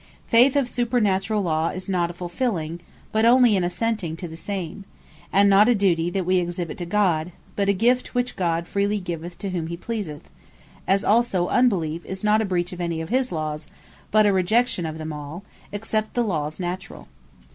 Faith of Supernaturall Law, is not a fulfilling, but only an assenting to the same; and not a duty that we exhibite to God, but a gift which God freely giveth to whom he pleaseth; as also Unbelief is not a breach of any of his Lawes; but a rejection of them all, except the Lawes Naturall.